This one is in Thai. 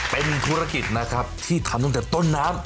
เป็นธุรกิจนะครับที่ทำตั้งแต่ต้นน้ำ